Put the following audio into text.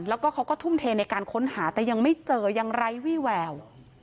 แล้วก็เขาก็ทุ่มเทในการค้นหาแต่ยังไม่เจอยังไร้วี่แวว